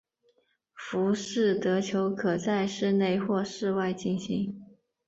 浮士德球可在室内或室外进行。